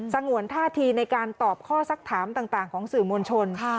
งวนท่าทีในการตอบข้อสักถามต่างของสื่อมวลชน